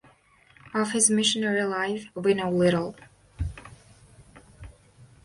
Of his missionary life we know little.